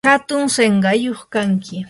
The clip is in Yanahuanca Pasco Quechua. hatun sinqayuq kanki.